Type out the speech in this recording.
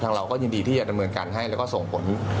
เราก็ยินดีที่จะดำเนินการให้แล้วก็ส่งผล